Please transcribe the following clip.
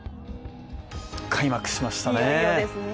開幕しましたね。